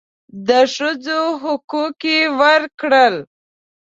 د ښځو حقوق یې ورکړل.